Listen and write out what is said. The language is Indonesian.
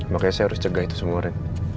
makanya saya harus cegah itu semua ren